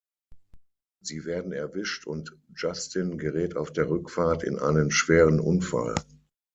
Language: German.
Sie werden erwischt und Justin gerät auf der Rückfahrt in einen schweren Unfall.